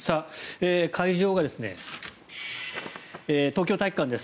会場が東京体育館です。